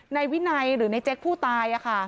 นายวินัยหรือในเจ๊กผู้ตาย